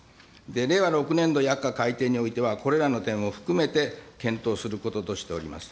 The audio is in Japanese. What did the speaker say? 令和６年度薬価改定においては、これらの点を含めて検討することとしております。